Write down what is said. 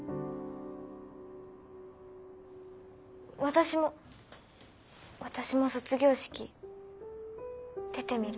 私も私も卒業式出てみる。